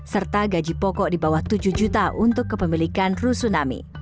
serta gaji pokok di bawah tujuh juta untuk kepemilikan rusunami